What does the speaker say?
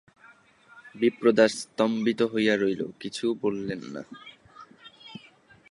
বিপ্রদাস স্তম্ভিত হয়ে রইল, কিছু বললে না।